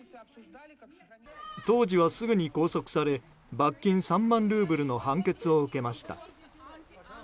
当時は、すぐに拘束され罰金３万ルーブルの判決を受けました。